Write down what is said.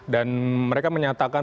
dan mereka menyatakan